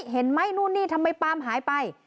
เห็นไหมนู่นนี่ทำไมปาล์มหายไป